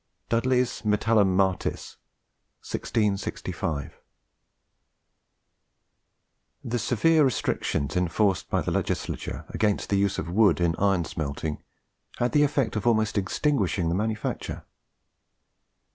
DUDLEY's Metallum Martis, 1665. The severe restrictions enforced by the legislature against the use of wood in iron smelting had the effect of almost extinguishing the manufacture.